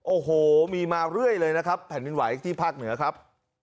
โอ้โหมีมาเรื่อยเลยนะครับแผ่นดินไหวที่ภาคเหนือครับ